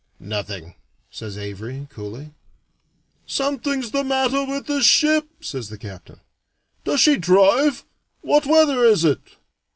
"Nothing," says Avary, coolly. "Something's the matter with the ship," says the captain. "Does she drive? What weather is it?"